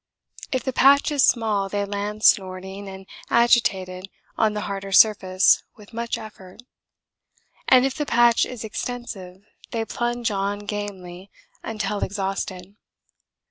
If the patch is small they land snorting and agitated on the harder surface with much effort. And if the patch is extensive they plunge on gamely until exhausted.